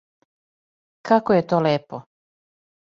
Како је то лепо?